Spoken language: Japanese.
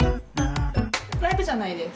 ライブじゃないです。